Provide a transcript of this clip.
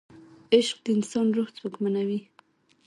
عشق د انسان روح ځواکمنوي.